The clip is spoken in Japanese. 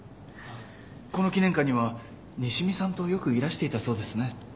この記念館には西見さんとよくいらしていたそうですね。